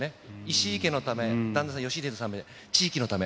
石井家のため、旦那さん、良英さんのため、地域のため。